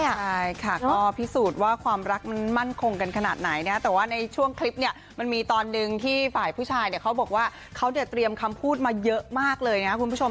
ใช่ค่ะก็พิสูจน์ว่าความรักมันมั่นคงกันขนาดไหนนะแต่ว่าในช่วงคลิปเนี่ยมันมีตอนหนึ่งที่ฝ่ายผู้ชายเนี่ยเขาบอกว่าเขาเนี่ยเตรียมคำพูดมาเยอะมากเลยนะคุณผู้ชม